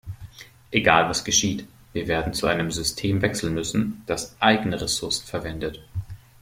Egal was geschieht, wir werden zu einem System wechseln müssen, das eigene Ressourcen verwendet.